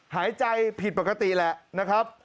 หายใจผิดปกติแหละนะครับ